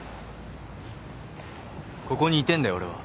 ここにいてえんだよ俺は。